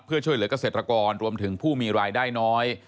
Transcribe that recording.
เพื่อช่วยเหลือกเกษตรกรรวมถึงผู้มีรายได้น้อย